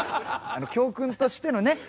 教訓としてのね